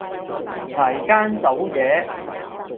熬更守夜